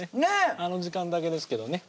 あの時間だけですけどね